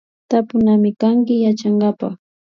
Tapunamikanki Yachankapak